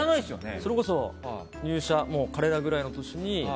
それこそ、彼らぐらいの年に。